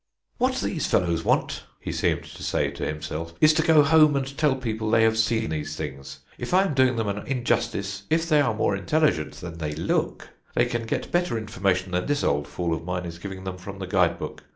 "What these fellows want," he seemed to say to himself, "is to go home and tell people they have seen these things. If I am doing them an injustice, if they are more intelligent than they look, they can get better information than this old fool of mine is giving them from the guide book.